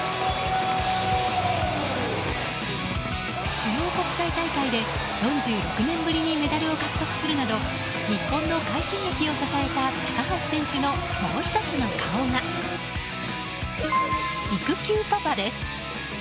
主要国際大会で４６年ぶりにメダルを獲得するなど日本の快進撃を支えた高橋選手のもう１つの顔が育休パパです。